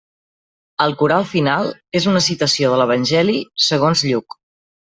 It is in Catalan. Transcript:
El coral final és una citació de l'Evangeli segons Lluc.